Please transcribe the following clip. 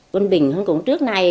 con bình hơn cũng trước nay